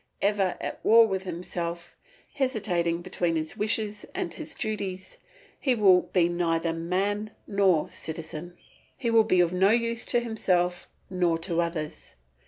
Ever at war with himself, hesitating between his wishes and his duties, he will be neither a man nor a citizen. He will be of no use to himself nor to others.